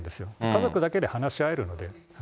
家族だけで話し合えるので。